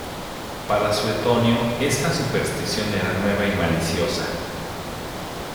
Para Suetonio esta superstición era nueva y maliciosa.